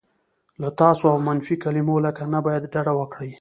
له "تاسو" او منفي کلیمو لکه "نه باید" ډډه وکړئ.